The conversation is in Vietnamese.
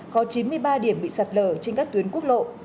có chín mươi ba điểm bị sạt lở trên các tuyến quốc lộ